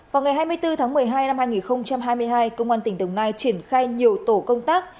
vào ngày hai mươi bốn tháng một mươi hai năm hai nghìn hai mươi hai công an tỉnh đồng nai triển khai nhiều tổ công tác